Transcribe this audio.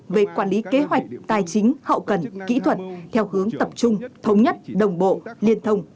về quản lý kế hoạch tài chính hậu cần kỹ thuật theo hướng tập trung thống nhất đồng bộ liên thông